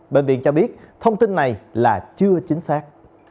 bệnh viện cho biết thông tin này là chưa chính xác